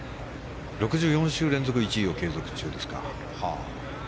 ６４週連続１位を継続中ですか。